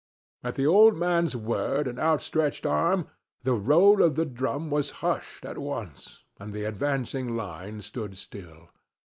At the old man's word and outstretched arm the roll of the drum was hushed at once and the advancing line stood still.